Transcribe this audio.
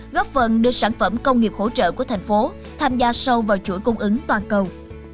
góp phần đưa sản phẩm công nghiệp hỗ trợ của thành phố tham gia sâu vào chuỗi cung ứng toàn cầu